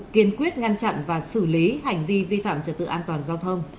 kiên quyết ngăn chặn và xử lý hành vi vi phạm trật tự an toàn giao thông